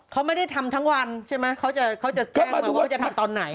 เขาไม่ได้ทำทั้งวันใช่ไหมเขาจะแค่มาดูว่าจะทำตอนไหน